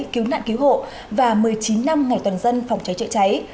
cứu nạn cứu hộ và một mươi chín năm ngày toàn dân phòng cháy chữa cháy